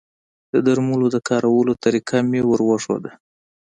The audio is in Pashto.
د درملو د کارولو طریقه مې وروښوده